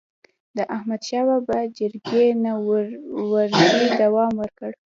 د احمدشاه بابا جرګي نه ورځي دوام وکړ.